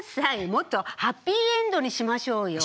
もっとハッピーエンドにしましょうよ。